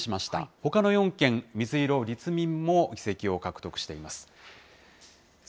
ほかの４県、水色立民も議席を獲得しています。